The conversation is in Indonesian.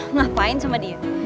ngapain sama dia